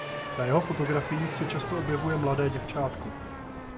Na jeho fotografiích se často objevuje mladé děvčátko.